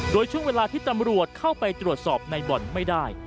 โดยช่วงเวลาที่ตำรวจเข้าไปตรวจสอบในบ่อนไม่ได้